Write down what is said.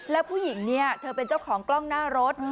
แล้วผู้หญิงเนี่ยเธอเป็นเจ้าของกล้องหน้ารถ